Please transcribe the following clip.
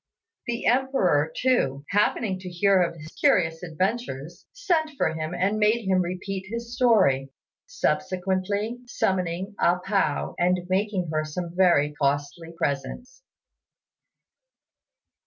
The Emperor, too, happening to hear of his curious adventures, sent for him and made him repeat his story; subsequently, summoning A pao and making her some very costly presents.